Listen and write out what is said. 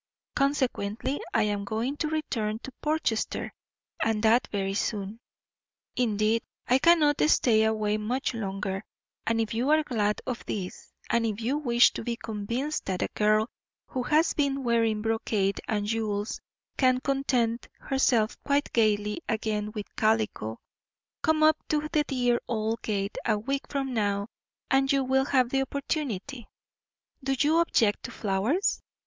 Consequently I am going to return to Portchester, and that very soon. Indeed I cannot stay away much longer, and if you are glad of this, and if you wish to be convinced that a girl who has been wearing brocade and jewels can content herself quite gaily again with calico, come up to the dear old gate a week from now and you will have the opportunity. Do you object to flowers?